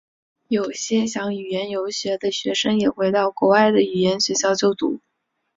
有些想语言游学的学生也会到国外的语言学校就读。